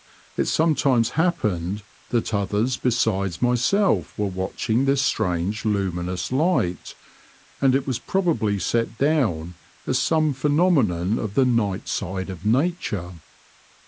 It some times happened that others besides myself were watching this strange luminous light, and it was probably set down as some phenomenon of the night side of nature.